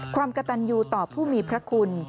ความกระตันยูต่อผู้มีพระคุณ